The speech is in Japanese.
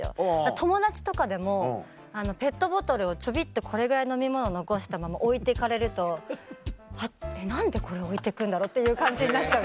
友達とかでもペットボトルをちょびっとこれぐらい飲み物残したまま置いて行かれると何でこれ置いて行くんだろう？っていう感じになっちゃうんです。